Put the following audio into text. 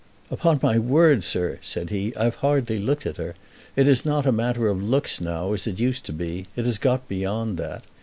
"Upon my word, sir," said he, "I've hardly looked at her. It is not a matter of looks now, as it used to be. It has got beyond that.